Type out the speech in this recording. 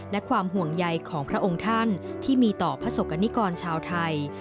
และความห่วงใยของพระองค์ท่านที่มีต่อพระศกกรณิกรชาวไทย